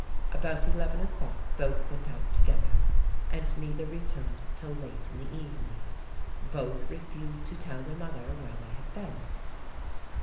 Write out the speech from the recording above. About eleven o'clock both went out together, and neither returned till late in the evening. Both refused to tell their mother where they had been.